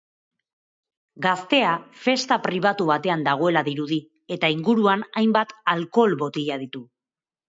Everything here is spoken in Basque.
Gaztea festa pribatu batean dagoela dirudi eta inguruan hainbat alkohol botila ditu.